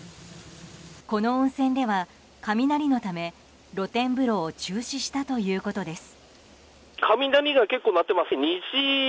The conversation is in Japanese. この温泉では雷のため露天風呂を中止したということです。